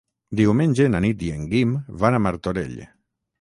Diumenge na Nit i en Guim van a Martorell.